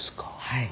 はい。